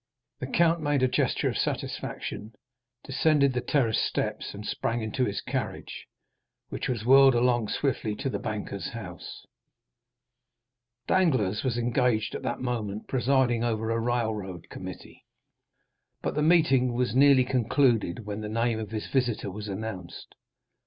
The Count made a gesture of satisfaction, descended the terrace steps, and sprang into his carriage, which was whirled along swiftly to the banker's house. Danglars was engaged at that moment, presiding over a railroad committee. But the meeting was nearly concluded when the name of his visitor was announced.